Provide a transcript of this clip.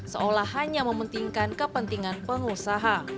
seolah hanya mementingkan kepentingan pengusaha